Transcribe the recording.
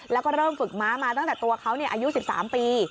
แล้วก็เริ่มฝึกม้ามาตั้งแต่ตัวเขาอายุ๑๓ปี